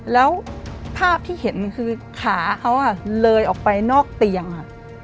แล้วภาพที่เห็นคือขาเขาเลยออกไปนอกเตียง